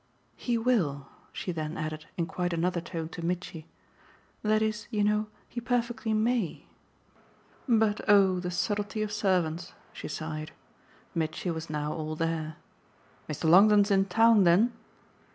"He will!" she then added in quite another tone to Mitchy. "That is, you know, he perfectly MAY. But oh the subtlety of servants!" she sighed. Mitchy was now all there. "Mr. Longdon's in town then?"